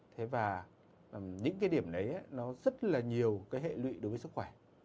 thế và những cái điểm đấy nó rất là nhiều cái hệ lụy đối với sức khỏe